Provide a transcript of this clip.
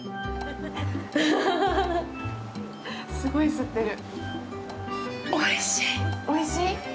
すごい吸ってる。